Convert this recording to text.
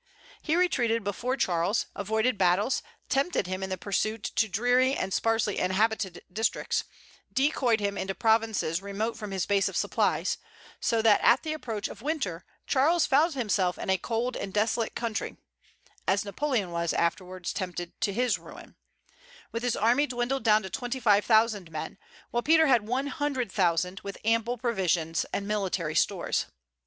He retreated before Charles, avoided battles, tempted him in the pursuit to dreary and sparsely inhabited districts, decoyed him into provinces remote from his base of supplies; so that at the approach of winter Charles found himself in a cold and desolate country (as Napoleon was afterwards tempted to his ruin), with his army dwindled down to twenty five thousand men, while Peter had one hundred thousand, with ample provisions and military stores.